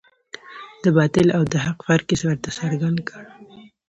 د باطل او د حق فرق یې ورته څرګند کړ.